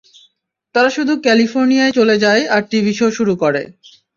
তারা শুধু ক্যালিফোর্নিয়ায় চলে যায় আর টিভি শো শুরু করে।